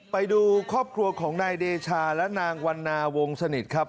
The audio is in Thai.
ไปดูครอบครัวของนายเดชาและนางวันนาวงสนิทครับ